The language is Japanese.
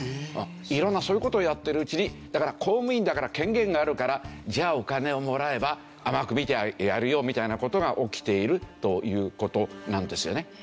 色んなそういう事をやっているうちに公務員だから権限があるからじゃあお金をもらえば甘く見てやるよみたいな事が起きているという事なんですよね。